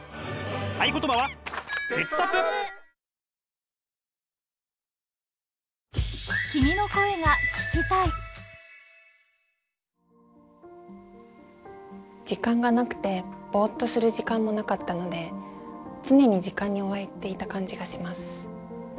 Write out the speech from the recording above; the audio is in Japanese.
合言葉は時間がなくてボッとする時間もなかったので常に時間に追われていた感じがします。